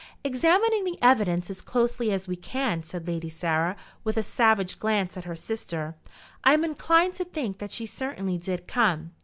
"Examining the evidence as closely as we can," said Lady Sarah, with a savage glance at her sister, "I am inclined to think that she certainly did come.